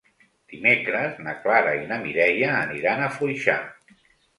Dimecres na Clara i na Mireia aniran a Foixà.